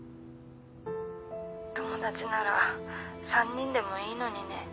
友達なら３人でもいいのにね。